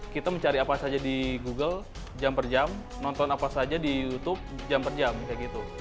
kita mencari apa saja di google jam per jam nonton apa saja di youtube jam per jam kayak gitu